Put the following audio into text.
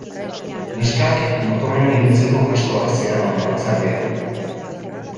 Neskak motorrean ibiltzeko kaskoa zeraman galtzarbean.